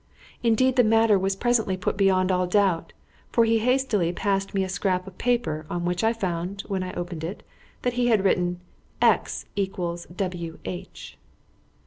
Indeed the matter was presently put beyond all doubt, for he hastily passed to me a scrap of paper, on which I found, when I opened it out, that he had written "X = W.H."